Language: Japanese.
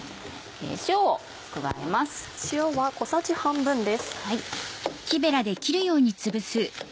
塩を加えます。